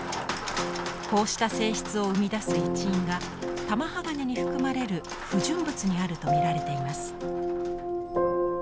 こうした性質を生み出す一因が玉鋼に含まれる不純物にあると見られています。